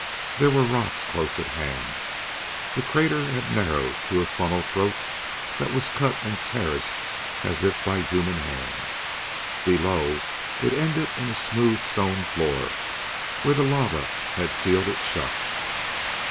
There were rocks close at hand; the crater had narrowed to a funnel throat that was cut and terraced as if by human hands. Below, it ended in a smooth stone floor where the lava had sealed it shut.